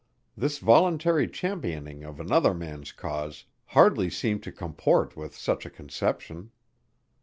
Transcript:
This voluntary championing of another man's cause hardly seemed to comport with such a conception.